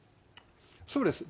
そうです。